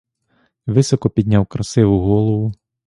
Високо підняв красиву голову.